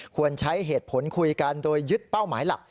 ควรใช้เหตุผลคุยกันโดยยึดเป้าหมายหลัก